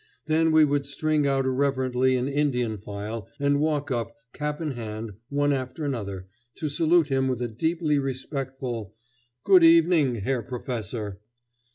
Then we would string out irreverently in Indian file and walk up, cap in hand, one after another, to salute him with a deeply respectful "Good evening, Herr Professor!"